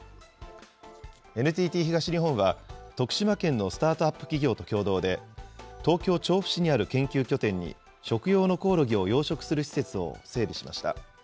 ＮＴＴ東日本は、徳島県のスタートアップ企業と共同で、東京・調布市にある研究拠点に食用のコオロギを養殖する施設を整備しました。